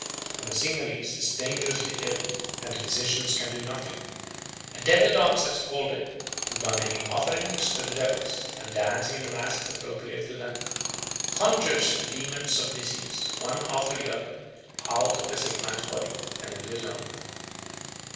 When a Cingalese is dangerously ill, and the physicians can do nothing, a devil dancer is called in, who by making offerings to the devils, and dancing in the masks appropriate to them, conjures these demons of disease, one after the other, out of the sick man's body and into his own.